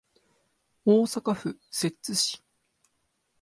大阪府摂津市